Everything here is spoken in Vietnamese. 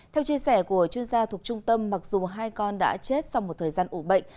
theo chia sẻ của chuyên gia thuộc trung tâm mặc dù hai con đã chết sau một thời gian ủ bệnh